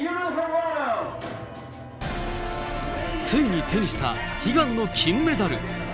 ついに手にした悲願の金メダル。